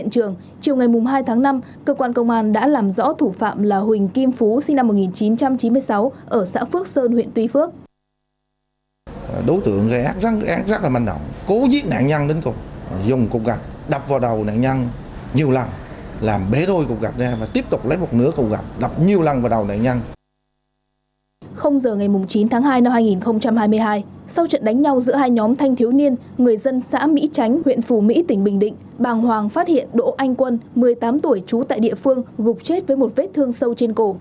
tuổi trú tại địa phương gục chết với một vết thương sâu trên cổ